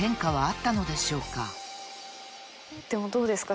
でもどうですか？